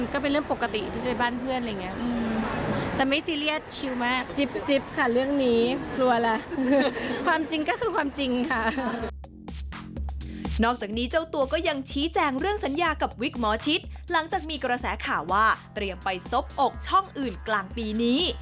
นอกจากนี้เจ้าตัวก็ยังชี้แจงเรื่องสัญญากับวิกหมอชิดหลังจากมีกระแสข่าวว่าเตรียมไปซบอกช่องอื่นกลางปีนี้